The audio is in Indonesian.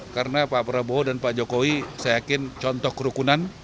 karena pak prabowo dan pak jokowi saya yakin contoh kerukunan